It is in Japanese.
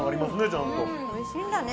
ちゃんとおいしいんだね